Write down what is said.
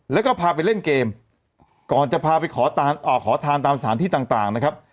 แล้วก็พาไปเล่นเกมก่อนจะพาไปขอทานตามสถานที่ต่างนะครับ